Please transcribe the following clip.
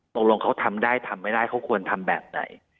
ตกลงเขาทำได้ทำไม่ได้เขาควรทำแบบไหน